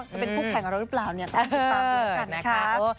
จะเป็นคู่แข่งกับเราหรือเปล่าเนี่ยต้องติดตามดูกันนะคะ